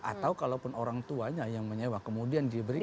atau kalaupun orang tuanya yang menyewa kemudian diberikan